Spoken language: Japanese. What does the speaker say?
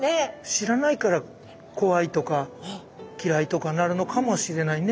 知らないから怖いとか嫌いとかなるのかもしれないね。